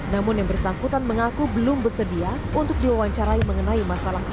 namun yang bersangkutan mengaku belum bersedia untuk diwawancarai mengenai masalah ini